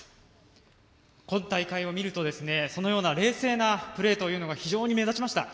今大会を見るとそのような冷静なプレーというのが非常に目立ちました。